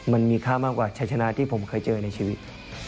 มันมีค่ามากกว่าชัยชนะที่ผมเคยเจอในชีวิต